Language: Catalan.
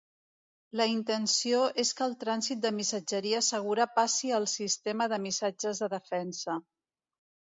La intenció és que el trànsit de missatgeria segura passi al sistema de missatges de defensa.